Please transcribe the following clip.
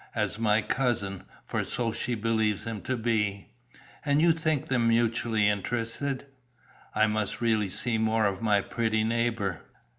"As my cousin; for so she believes him to be." "And you think them mutually interested? I must really see more of my pretty neighbour."